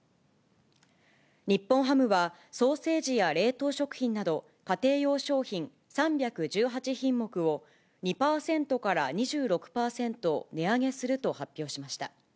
日本ハムは、ソーセージや冷凍食品など、家庭用商品３１８品目を、２％から２６％値上げすると発表しました。